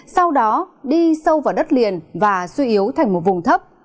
sau đó đi sâu vào đất liền và suy yếu thành một vùng thấp